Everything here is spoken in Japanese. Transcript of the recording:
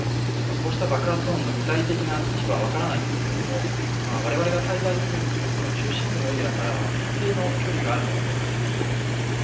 こうした爆発音の具体的な位置は分からないんですけど我々が滞在する中心部のエリアからは一定の距離があるものと感じています。